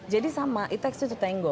jadi sama it takes you to tango